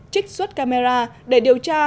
trích xuất camera để điều tra